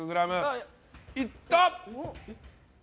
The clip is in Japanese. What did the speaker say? いった！